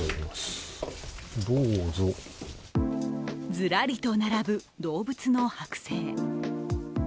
ずらりと並ぶ動物の剥製。